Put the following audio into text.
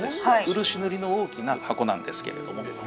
漆塗りの大きな箱なんですけれども。